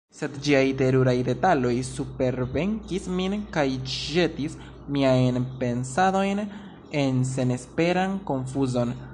Sed ĝiaj teruraj detaloj supervenkis min kaj ĵetis miajn pensadojn en senesperan konfuzon.